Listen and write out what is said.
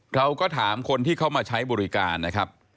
เราก็ถามคนที่เข้ามาใช้บริการนะครับ